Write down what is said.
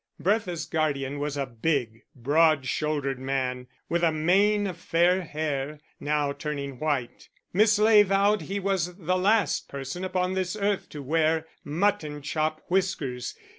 Bertha's guardian was a big, broad shouldered man, with a mane of fair hair, now turning white; Miss Ley vowed he was the last person upon this earth to wear mutton chop whiskers.